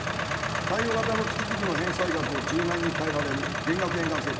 貸与型の月々の返済額を柔軟に変えられる減額返還制度。